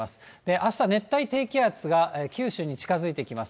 あした熱帯低気圧が九州に近づいてきます。